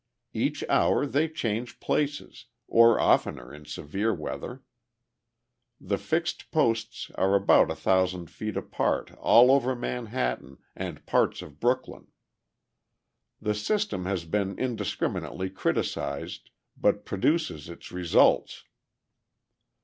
Each hour they change places, or oftener in severe weather. The fixed posts are about a thousand feet apart all over Manhattan and parts of Brooklyn. The system has been indiscriminately criticised, but produces its results.